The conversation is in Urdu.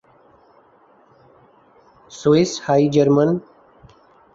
Swiss high German